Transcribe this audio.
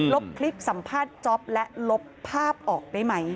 บคลิปสัมภาษณ์จ๊อปและลบภาพออกได้ไหม